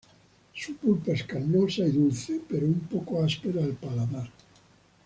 Su pulpa es carnosa y dulce, pero un poco áspera al paladar.